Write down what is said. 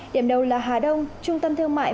điểm đầu là hà đông trung tâm thương mại